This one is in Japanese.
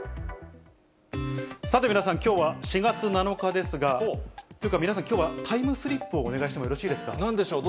さて皆さん、きょうは４月７日ですが、というか、皆さん、きょうはタイムスリップをお願いしてもよろしいでしょうか。